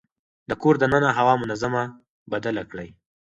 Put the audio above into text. د کور دننه هوا منظم بدله کړئ.